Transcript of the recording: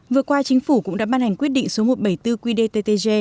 vừa qua chính phủ cũng đã ban hành quyết định số một trăm bảy mươi bốn qdttg